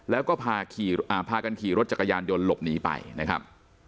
แล้วก็พากันขี่รถจักรยานยนต์หลบหนีไปนะครับ